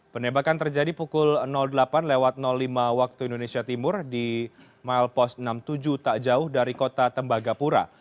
penembakan terjadi pukul delapan lewat lima waktu indonesia timur di milepost enam puluh tujuh tak jauh dari kota tembagapura